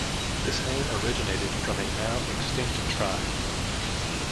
This name originated from a now extinct tribe.